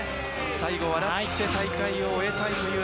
最後笑って大会を終えたいという。